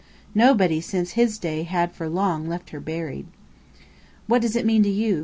Nobody since his day had for long left her buried! "What does it mean to you?"